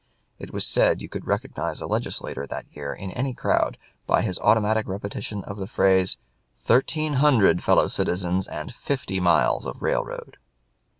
It was said you could recognize a legislator that year in any crowd by his automatic repetition of the phrase, "Thirteen hundred fellow citiztens! and fifty miles of railroad!"